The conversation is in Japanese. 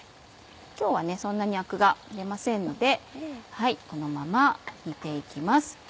今日はそんなにアクが出ませんのでこのまま煮て行きます。